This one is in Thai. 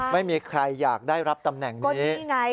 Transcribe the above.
ไม่มีใครอยากได้รับตำแหน่งนี้